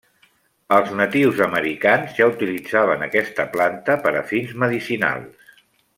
Els natius americans ja utilitzaven aquesta planta per a fins medicinals.